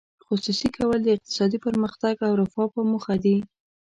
خصوصي کول د اقتصادي پرمختګ او رفاه په موخه دي.